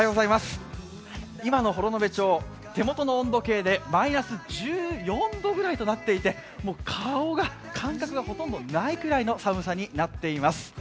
今の幌延町、手元の温度計でマイナス１４度くらいとなっていて顔が、感覚がほとんどないくらいの寒さになっています。